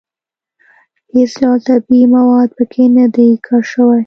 هېڅ ډول طبیعي مواد په کې نه دي کار شوي.